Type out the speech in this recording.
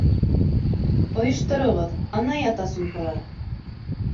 Ойоштороғоҙ, ана, ята сумкаларым...